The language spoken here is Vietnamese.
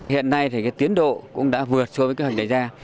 hiện nay thì cái tiến độ cũng đã vượt xuống với cái hình này ra